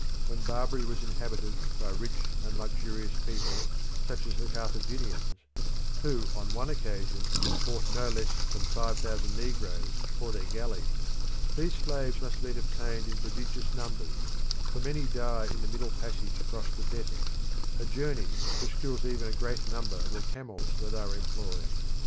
When Barbary was inhabited by rich and luxurious people, such as the Carthaginians, who on one occasion bought no less than five thousand negroes for their galleys, these slaves must have been obtained in prodigious numbers, for many die in the middle passage across the desert, a journey which kills even a great number of the camels that are employed.